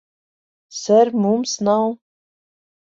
Ser, mums nav...